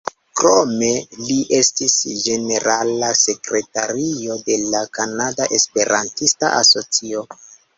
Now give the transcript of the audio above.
Krome, li estis ĝenerala sekretario de la Kanada Esperantista Asocio.